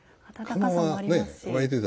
はい。